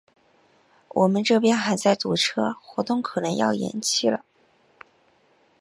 我们这边还在堵车，活动可能要延期了。